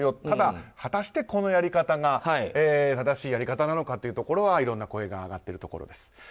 ただ、果たしてこのやり方が正しいやり方なのかはいろんな声が上がっているところです。